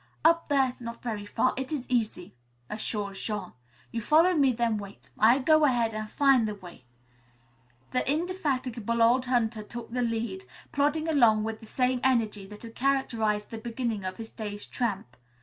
"Up there, not very far, it is easy," assured Jean. "You follow me, then wait. I go ahead an' fin' the way." The indefatigable old hunter took the lead, plodding along with the same energy that had characterized the beginning of his day's tramp.